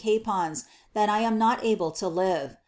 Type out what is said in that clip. capons, (hat I am not able u live.''